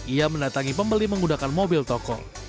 ia mendatangi pembeli menggunakan mobil toko